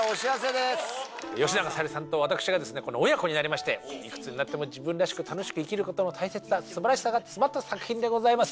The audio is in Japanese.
吉永小百合さんと私が親子になりましていくつになっても自分らしく楽しく生きることの大切さ素晴らしさが詰まった作品でございます。